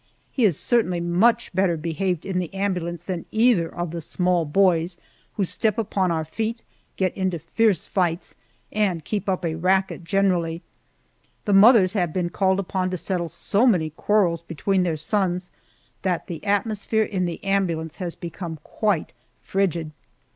He is certainly much better behaved in the ambulance than either of the small boys who step upon our feet, get into fierce fights, and keep up a racket generally. The mothers have been called upon to settle so many quarrels between their sons, that the atmosphere in the ambulance has become quite frigid.